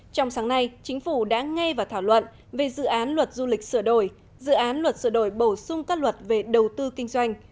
trong sáng nay chính phủ đã nghe và thảo luận về dự án luật du lịch sửa đổi dự án luật sửa đổi bổ sung các luật về đầu tư kinh doanh